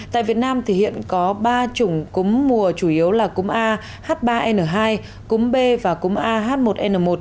tại việt nam thì hiện có ba chủng cúm mùa chủ yếu là cúm a h ba n hai cúm b và cúm ah một n một